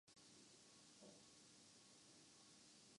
کیا تم وہ دن بھول گئے جب میں نے تمہاری دھلائی کی تھی